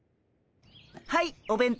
はいお弁当。